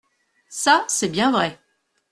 Ca, c’est bien vrai !